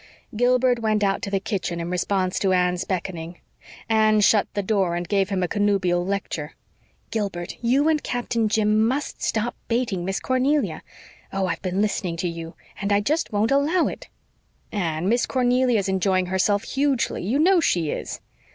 Gilbert went out to the kitchen in response to Anne's beckoning. Anne shut the door and gave him a connubial lecture. "Gilbert, you and Captain Jim must stop baiting Miss Cornelia. Oh, I've been listening to you and I just won't allow it." 'Anne, Miss Cornelia is enjoying herself hugely. You know she is.'